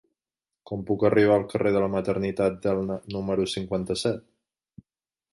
Com puc arribar al carrer de la Maternitat d'Elna número cinquanta-set?